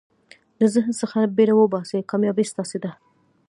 د ذهن څخه بېره وباسئ، کامیابي ستاسي ده.